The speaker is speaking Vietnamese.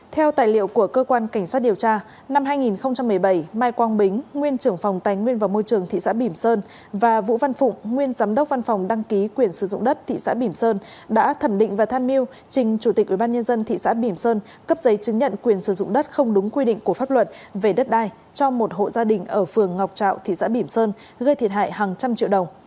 theo tài liệu của cơ quan cảnh sát điều tra năm hai nghìn một mươi bảy mai quang bính nguyên trưởng phòng tài nguyên và môi trường thị xã bìm sơn và vũ văn phụng nguyên giám đốc văn phòng đăng ký quyền sử dụng đất thị xã bìm sơn đã thẩm định và than miêu trình chủ tịch ubnd thị xã bìm sơn cấp giấy chứng nhận quyền sử dụng đất không đúng quy định của pháp luật về đất đai cho một hộ gia đình ở phường ngọc trạo thị xã bìm sơn gây thiệt hại hàng trăm triệu đồng